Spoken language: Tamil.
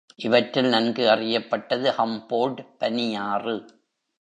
இவற்றில் நன்கு அறியப்பட்டது ஹம்போல்ட் பனியாறு.